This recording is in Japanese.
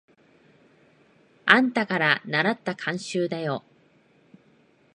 あんたからならった慣習だよ。